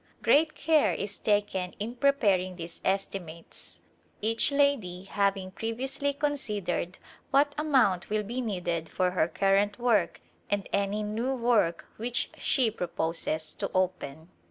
Great care is taken in preparing these [i'7] A Glimpse of hidia estimates, each lady having previously considered what amount will be needed for her current work and any new work which she proposes to open.